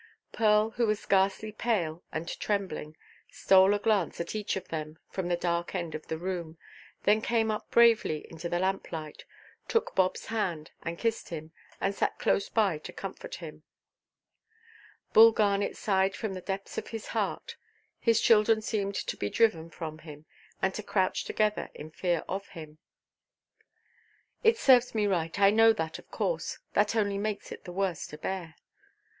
Pearl, who was ghastly pale and trembling, stole a glance at each of them from the dark end of the room, then came up bravely into the lamplight, took Bobʼs hand and kissed him, and sat close by to comfort him. Bull Garnet sighed from the depths of his heart. His children seemed to be driven from him, and to crouch together in fear of him. "It serves me right. I know that, of course. That only makes it the worse to bear."